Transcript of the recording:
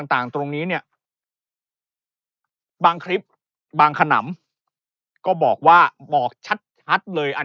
ต่างตรงนี้เนี่ยบางคลิปบางขนำก็บอกว่าบอกชัดเลยอัน